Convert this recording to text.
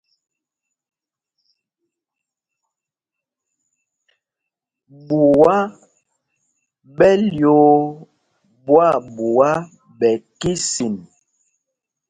Ɓuá ɓɛ lyōō ɓwâɓuá ɓɛ kísin.